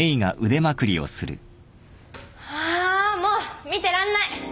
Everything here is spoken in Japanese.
あもう見てらんない。